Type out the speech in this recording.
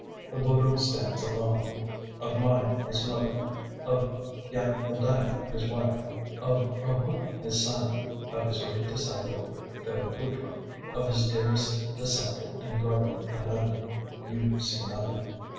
The Buddha stands alone. Of Maya his mother, of Yathodaya his wife, of Rahoula his son, of his great disciple Thariputra, of his dearest disciple and brother Ananda, you see nothing.